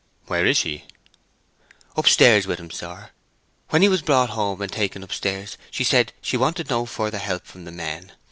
"Where is she?" "Upstairs with him, sir. When he was brought home and taken upstairs, she said she wanted no further help from the men.